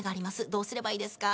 「どうすればいいですか？」